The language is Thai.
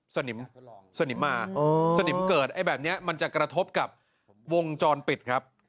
สนิมสนิมมาสนิมเกิดไอ้แบบนี้มันจะกระทบกับวงจรปิดครับ